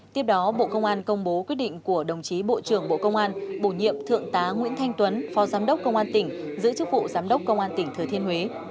tiếp đó bộ công an công bố quyết định của đồng chí bộ trưởng bộ công an bổ nhiệm thượng tá nguyễn thanh tuấn phó giám đốc công an tỉnh giữ chức vụ giám đốc công an tỉnh thừa thiên huế